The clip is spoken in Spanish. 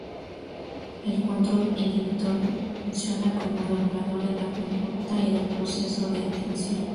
El control inhibitorio funciona como regulador de la conducta y del proceso de atención.